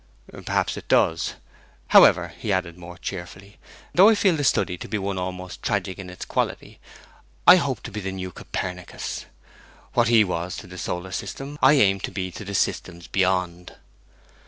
'Perhaps it does. However,' he added more cheerfully, 'though I feel the study to be one almost tragic in its quality, I hope to be the new Copernicus. What he was to the solar system I aim to be to the systems beyond.'